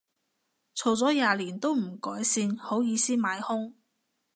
嘈咗廿年都唔改善，好意思買兇